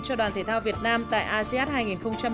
cho đoàn thể thao việt nam tại asean hai nghìn một mươi tám